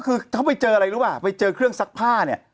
เขาไปเจออะไรหรือเปล่าไปเจอเครื่องซักผ้าเนี่ย